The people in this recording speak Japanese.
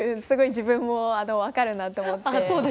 すごい自分も分かるなと思って。